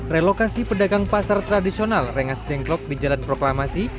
relokasi pedagang pasar tradisional rengas dengklok di jalan proklamasi